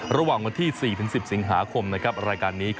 ระหว่างที่๔๑๐สิงหาคมรายการนี้